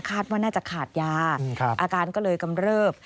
ว่าน่าจะขาดยาอาการก็เลยกำเริบ